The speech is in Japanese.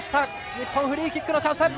日本、フリーキックのチャンス。